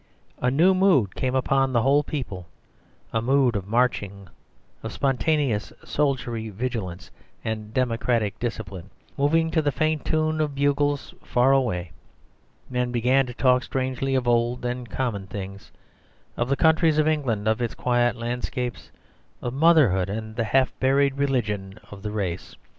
A new mood came upon the whole people; a mood of marching, of spontaneous soldierly vigilance and democratic discipline, moving to the faint tune of bugles far away. Men began to talk strangely of old and common things, of the counties of England, of its quiet landscapes, of motherhood and the half buried religion of the race.